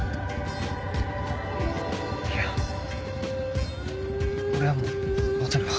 いや俺はもうバトルは。